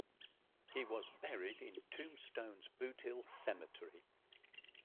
He was buried in Tombstone's Boothill Cemetery.